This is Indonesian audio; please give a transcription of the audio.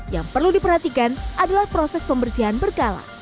yang perlu diperhatikan adalah proses pembersihan berkala